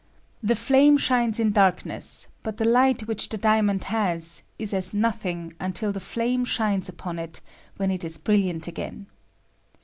The flame shines in dariaiess, but the light which the diamond has is as nothing untfl the flame shines upon it, when it is brilliant again.